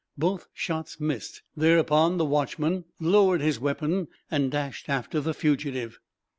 Both shots missed. Thereupon, the watchman lowered his weapon and dashed after the fugitive.